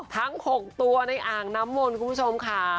ทั้ง๖ตัวในอ่างน้ำมนต์คุณผู้ชมค่ะ